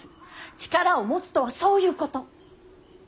力を持つとはそういうこと。